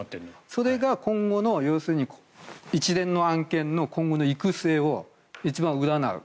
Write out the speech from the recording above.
それが一連の案件の今後の行く末を一番占う。